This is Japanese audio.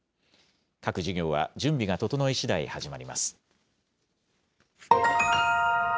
各事業は、準備が整いしだい始まります。